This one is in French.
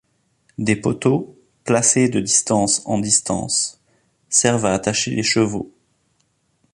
Des poteaux, placés de distance en distance, servent à attacher les chevaux.